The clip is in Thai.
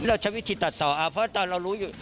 เราใช้วิธีตัดต่อเอาเพราะตอนเรารู้อยู่